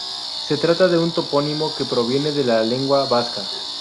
Se trata de un topónimo que proviene de la lengua vasca.